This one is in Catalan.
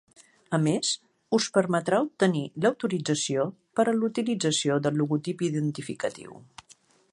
A més, us permetrà obtenir l'autorització per a la utilització del logotip identificatiu.